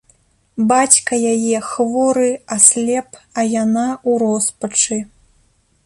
Бацька яе хворы, аслеп, а яна ў роспачы.